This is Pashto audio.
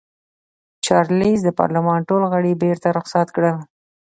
چارلېز د پارلمان ټول غړي بېرته رخصت کړل.